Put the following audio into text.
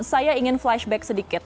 saya ingin flashback sedikit